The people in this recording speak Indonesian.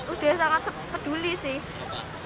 udah sangat peduli sih